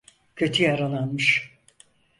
Kötü yaralanmış.